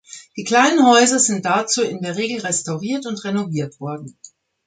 Die kleinen Häuser sind dazu in der Regel restauriert und renoviert worden.